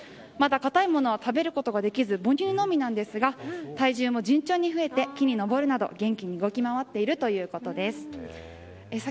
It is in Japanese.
まだ固いものは食べることができなく母乳のみなんですが体重も順序に増えて木に登るなど元気に動き回っているということです。